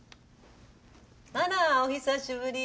あらお久しぶり。